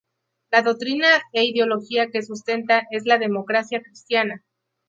La doctrina e ideología que sustenta es la Democracia cristiana.